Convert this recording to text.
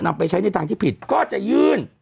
ไปใช้ในทางที่ผิดก็จะยื่น